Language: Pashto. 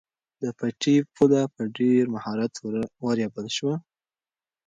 د پټي پوله په ډېر مهارت ورېبل شوه.